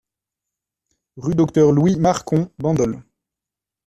Rue Docteur Louis Marcon, Bandol